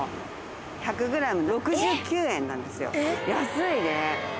１００ｇ６９円なんですよ安いね！